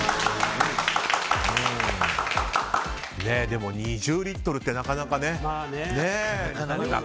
でも、２０リットルってなかなかね。